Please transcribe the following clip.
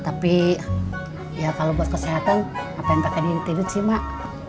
tapi ya kalau buat kesehatan apa yang pakai di inti inti sih mak